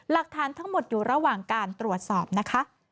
หลักฐานทั้งหมดอยู่ระหว่างการตรวจสอบนะคะ